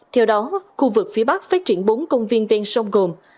theo đó khu vực phía bắc phát triển bốn công viên ven sông gồm